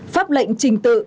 pháp lệnh trình tự